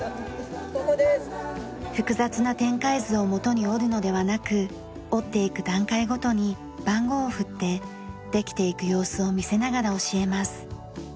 複雑な展開図をもとに折るのではなく折っていく段階ごとに番号を振ってできていく様子を見せながら教えます。